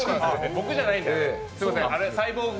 僕じゃないんで。